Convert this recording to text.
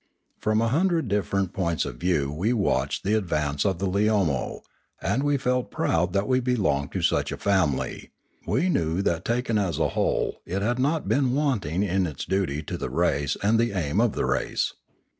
From a hundred dif ferent points of view we watched the advance of the Leomo, and we felt proud that we belonged to such a family; we knew that taken as a whole it had not been wanting in its duty to the race and the aim of the race.